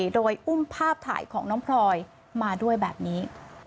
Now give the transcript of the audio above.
โดยอุ้มภาพถ่ายของน้องพลอยมาด้วยแบบนี้